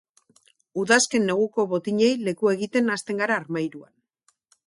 Udazken-neguko botinei lekua egiten hasten gara armairuan.